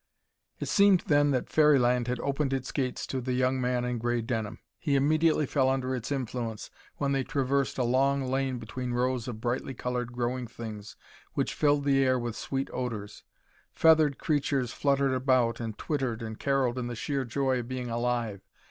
It seemed then that fairyland had opened its gates to the young man in gray denim. He immediately fell under its influence when they traversed a long lane between rows of brightly colored growing things which filled the air with sweet odors. Feathered creatures fluttered about and twittered and caroled in the sheer joy of being alive.